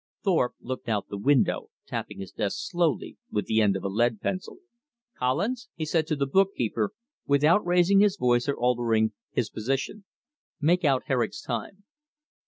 Thorpe looked out of the window, tapping his desk slowly with the end of a lead pencil. "Collins," said he to the bookkeeper, without raising his voice or altering his position, "make out Herrick's time."